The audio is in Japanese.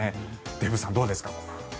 デーブさん、どうですか？